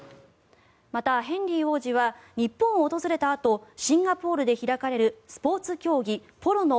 また、ヘンリー王子は日本を訪れたあとシンガポールで開かれるスポーツ競技、ポロの